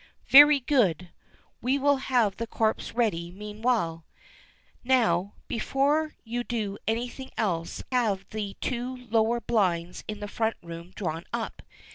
"Very good; we will have the corpse ready meanwhile. Now, before you do anything else, have the two lower blinds in the front room drawn up.